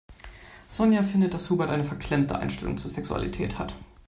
Sonja findet, dass Hubert eine verklemmte Einstellung zur Sexualität hat.